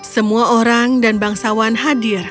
semua orang mendengar lagu burung bulbul itu dan raja berkata